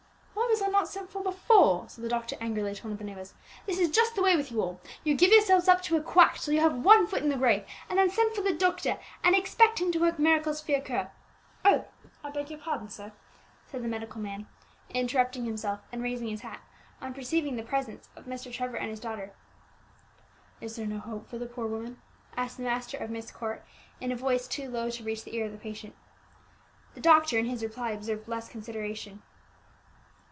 "Why was I not sent for before?" said the doctor angrily to one of the neighbours; "this is just the way with you all: you give yourselves up to a quack till you have one foot in the grave, and then send for the doctor, and expect him to work miracles for your cure! Oh, I beg your pardon, sir," said the medical man, interrupting himself, and raising his hat on perceiving the presence of Mr. Trevor and his daughter. "Is there no hope for the poor woman?" asked the master of Myst Court in a voice too low to reach the ear of the patient. The doctor, in his reply, observed less consideration.